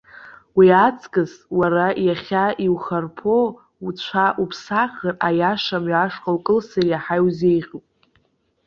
Уи аҵкьыс уара иахьа иухарԥоу уцәа уԥсахыр, аиаша мҩа ашҟа укылсыр, иаҳа иузеиӷьуп.